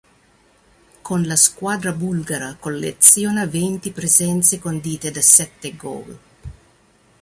Con la squadra bulgara colleziona venti presenze condite da sette goal.